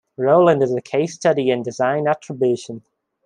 Rowland is a case study in design attribution.